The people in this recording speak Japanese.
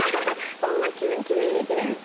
そんな急にできないです